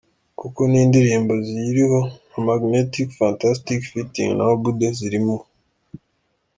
kuko nindirimbo ziyiriho nka Magnetic, Fantastic, Fitting na Obudde ziri mu.